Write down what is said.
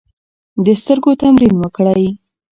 د سترګو تمرین وکړئ.